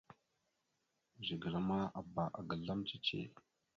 Zigəla ma bba ga azlam cici.